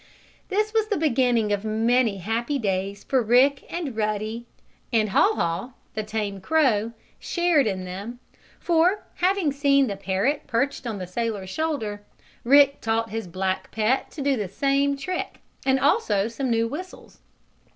This was the beginning of many happy days for Rick and Ruddy, and Haw Haw, the tame crow, shared in them, for, having seen the parrot perched on the sailor's shoulder, Rick taught his black pet to do the same trick, and also some new whistles.